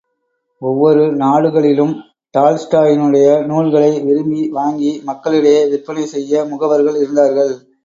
ஒவ்வொரு நாடுகளிலும் டால்ஸ்டாயினுடைய நூல்களை விரும்பி வாங்கி, மக்கள் இடையே விற்பனை செய்ய முகவர்கள் இருந்தார்கள்.